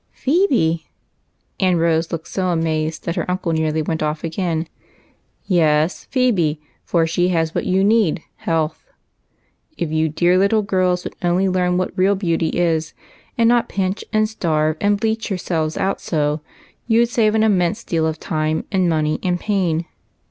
" Phebe !". and Rose looked so amazed that her uncle nearly went off again. " Yes, Phebe ; for she has what you need, — health. A BELT AND A BOX. 51 If you dear little girls would only learn what real beauty is, and not pinch and starve and bleach your selves out so, you 'd save an immense deal of time and money and pain.